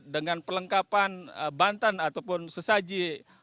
dengan pelengkapan bantan ataupun sesaji